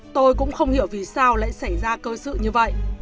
tôi cũng không hiểu vì sao lại xảy ra cơ sự như vậy